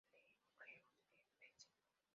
Le Breuil-en-Bessin